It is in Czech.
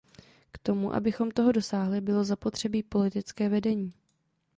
K tomu, abychom toho dosáhli, bylo zapotřebí politické vedení.